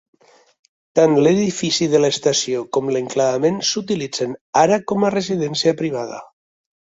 Tant l'edifici de l'estació com l'enclavament s'utilitzen ara com a residència privada.